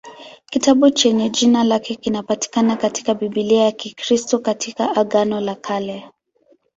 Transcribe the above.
Kitabu chenye jina lake kinapatikana katika Biblia ya Kikristo katika Agano la Kale.